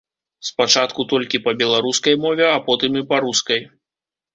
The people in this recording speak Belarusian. Спачатку толькі па беларускай мове, а потым і па рускай.